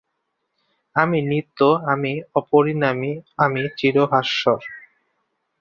আমি নিত্য, আমি অপরিণামী, আমি চির-ভাস্বর।